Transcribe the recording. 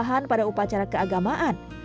sembahan pada upacara keagamaan